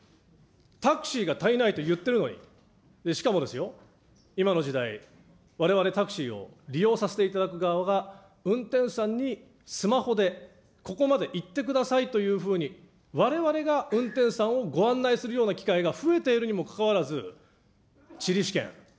タクシーが足りないといってるのに、しかもですよ、今の時代、われわれ、タクシーを利用させていただく側が運転手さんにスマホでここまで行ってくださいというふうに、われわれが運転手さんをご案内するような機会が増えているにもかかわらず、地理試験。